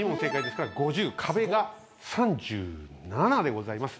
壁が３７でございます。